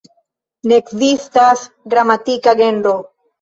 Ne ekzistas gramatika genro.